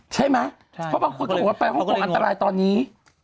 ใช่ไหมเขาบอกว่าไปฮ่องกงอันตรายตอนนี้